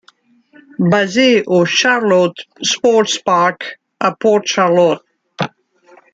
Basés au Charlotte Sports Park à Port Charlotte.